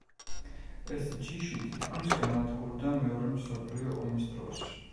ეს ჯიში თითქმის განადგურდა მეორე მსოფლიო ომის დროს.